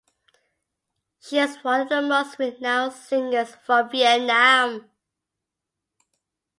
She is one of the most renowned singers from Vietnam.